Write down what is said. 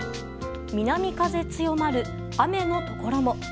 南風強まる、雨のところも。